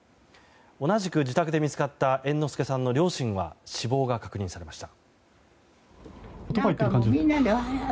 同じく自宅で見つかった猿之助さんの両親は死亡が確認されました。